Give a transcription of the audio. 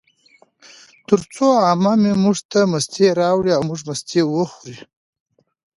ترڅو عمه مې موږ ته مستې راوړې، او موږ مستې وخوړې